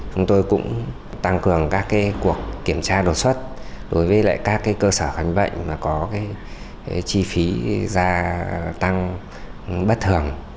chúng tôi cũng tăng cường các cuộc kiểm tra đột xuất đối với các cơ sở khám bệnh mà có chi phí gia tăng bất thường